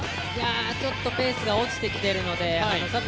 ちょっとペースが落ちてきてるので佐藤